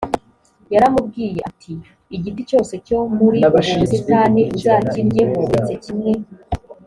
yaramubwiye ati “igiti cyose cyo muri ubu busitani uzakiryeho uretse kimwe”